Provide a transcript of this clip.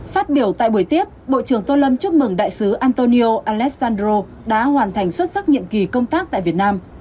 phát biểu tại buổi tiếp bộ trưởng tô lâm chúc mừng đại sứ antonio alessandro đã hoàn thành xuất sắc nhiệm kỳ công tác tại việt nam